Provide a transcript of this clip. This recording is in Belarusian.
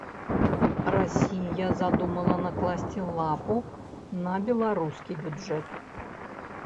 Расія задумала накласці лапу на беларускі бюджэт.